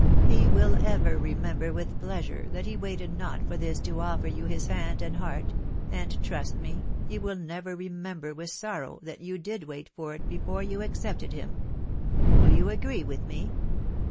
fi» wfll ever remember with pleasure that he waited not for this to offer you his hand and heart ; and trust me you will never re member with sorrow that you did wait for it before yam ac cepted him. Do you agree with me